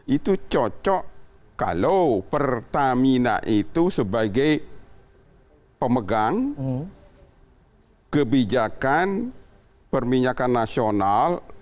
itu cocok kalau pertamina itu sebagai pemegang kebijakan perminyakan nasional